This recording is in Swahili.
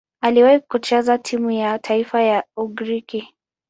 Aliwahi kucheza timu ya taifa ya Ugiriki.